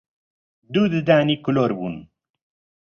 دوو ددانی کلۆر بوون